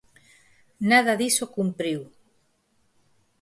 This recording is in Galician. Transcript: Nada diso cumpriu.